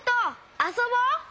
あそぼう！